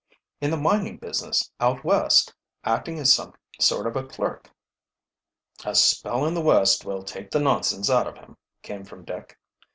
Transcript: In the mining business, out West, acting as some sort of a clerk." "A spell in the West will take the nonsense out of him," came from Dick.